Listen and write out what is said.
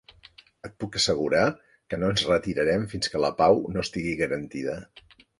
Et puc assegurar que no ens retirarem fins que la pau no estigui garantida.